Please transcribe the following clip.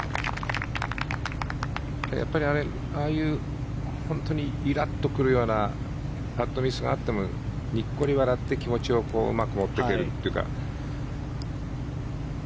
やっぱり、ああいう本当にイラッと来るようなパットミスがあってもにっこり笑って気持ちをうまく持っていけるというか。